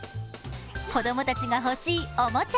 子供たちが欲しいおもちゃ。